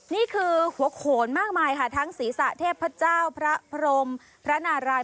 นี่คือหัวโขนมากมายค่ะทั้งศีรษะเทพเจ้าพระพรมพระนาราย